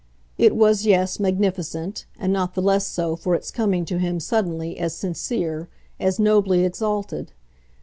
It was, yes, magnificent, and not the less so for its coming to him, suddenly, as sincere, as nobly exalted.